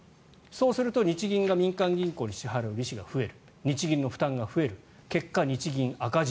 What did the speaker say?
そうすると日銀が民間銀行に支払う利子が増える日銀の負担が増える結果、日銀赤字。